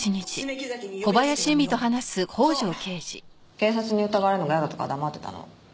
警察に疑われるのが嫌だったから黙ってたの。